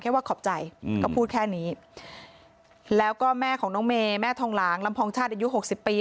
ว่าขอบใจอืมก็พูดแค่นี้แล้วก็แม่ของน้องเมย์แม่ทองหลางลำพองชาติอายุหกสิบปี